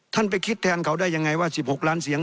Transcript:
ไปคิดแทนเขาได้ยังไงว่า๑๖ล้านเสียง